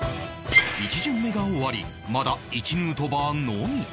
１巡目が終わりまだ１ヌートバーのみ